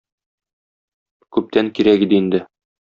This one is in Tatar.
Күптән кирәк иде инде.